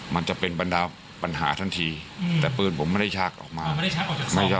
มันจะเป็นบรรดาปัญหาทันทีแต่ปืนผมไม่ได้ชักออกมา